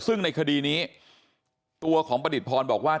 ซึ่งในคดีนี้ตัวของประดิษฐพรบอกว่า